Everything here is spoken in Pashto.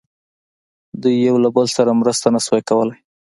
دوی یو له بل سره مرسته نه شوه کولای.